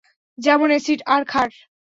যেমন- এসিড আর ক্ষার!